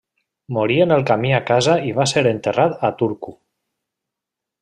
Morí en el camí a casa i va ser enterrat a Turku.